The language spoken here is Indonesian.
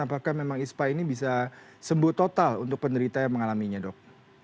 apakah memang ispa ini bisa sembuh total untuk penderita yang mengalaminya dok